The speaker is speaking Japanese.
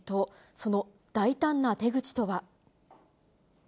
その大胆な手口とは。